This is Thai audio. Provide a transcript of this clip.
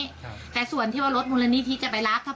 หนูก็พูดอย่างงี้หนูก็พูดอย่างงี้หนูก็พูดอย่างงี้